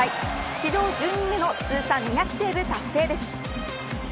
史上１０人目の通算２００セーブ達成です。